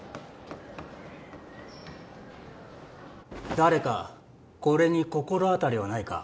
誰かこれに心当たりはないか？